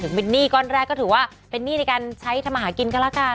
มินหนี้ก้อนแรกก็ถือว่าเป็นหนี้ในการใช้ทำอาหารกินก็แล้วกัน